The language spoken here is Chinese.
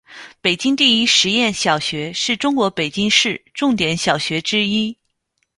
北京第一实验小学是中国北京市重点小学之一。